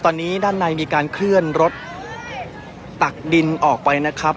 ตอนนี้ด้านในมีการเคลื่อนรถตักดินออกไปนะครับ